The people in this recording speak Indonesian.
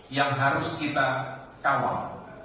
yang harus kita kawal